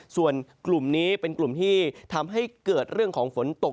ส่วนกลุ่มนี้เป็นกลุ่มที่ทำให้เกิดเรื่องของฝนตก